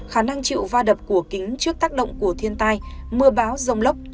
khả năng chịu va đập cổ kính trước tác động của thiên tai mưa báo rông lốc